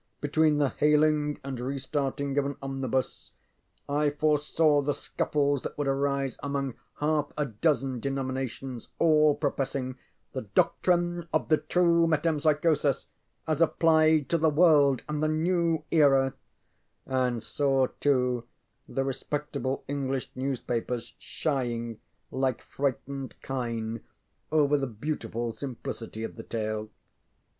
Between the hailing and re starting of an omnibus I foresaw the scuffles that would arise among half a dozen denominations all professing ŌĆ£the doctrine of the True Metempsychosis as applied to the world and the New EraŌĆØ; and saw, too, the respectable English newspapers shying, like frightened kine, over the beautiful simplicity of the tale.